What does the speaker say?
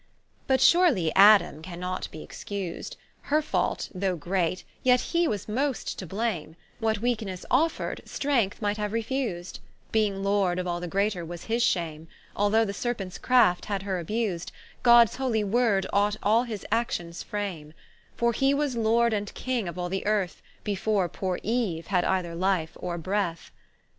But surely Adam cannot be excus'd, Her fault, though great, yet he was most too blame; What Weaknesse offred Strength might haue refus'd, Being Lord of all the greater was his shame: Although the Serpents craft had her abus'd, Gods holy word ought all his actions frame: For he was Lord and King of al the earth, Before poore Eue had either life or breath.